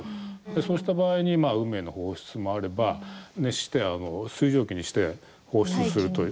そうした場合に海への放出もあれば、熱して水蒸気にして放出するという。